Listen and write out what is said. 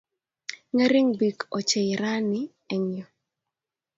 ngering biik ochei rani eng yuu